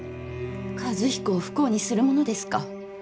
和彦を不幸にするものですか。